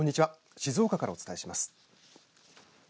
静岡からお伝えします。